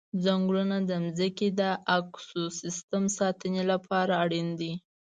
ځنګلونه د ځمکې د اکوسیستم ساتنې لپاره اړین دي.